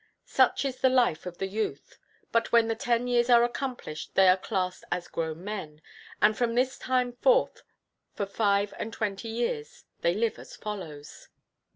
Such is the life of the youth. But when the ten years are accomplished they are classed as grown men. And from this time forth for five and twenty years they live as follows.